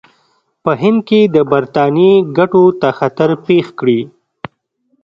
په هند کې د برټانیې ګټو ته خطر پېښ کړي.